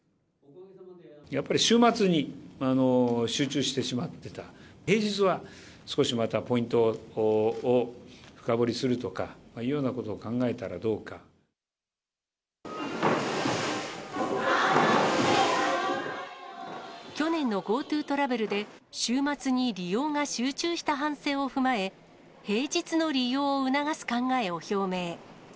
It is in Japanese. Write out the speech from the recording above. やっぱり週末に集中してしまってた、平日は少しまたポイントを深掘りするとかというようなことを考え去年のＧｏＴｏトラベルで、週末に利用が集中した反省を踏まえ、平日の利用を促す考えを表明。